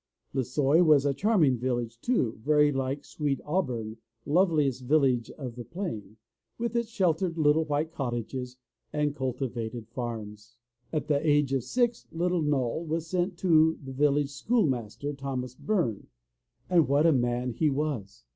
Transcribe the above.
Lissoy was a charming village, too, very like * 'Sweet Auburn, loveliest village of the plain,*' with its sheltered little white cottages and cultivated farms. At the age of six little Noll was sent to the village school master, Thomas Byrne, and what a man he was!